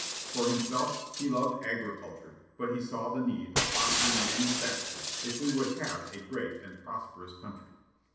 For himself, he loved agriculture, but he saw the need of fostering manufactures if we would have a great and prosperous country.